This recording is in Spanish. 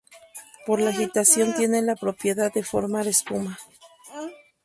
Por la agitación tiene la propiedad de formar espuma.